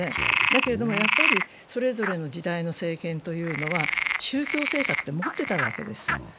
だけれども、やっぱりそれぞれの時代の政権というのは、宗教政策って持ってたわけです。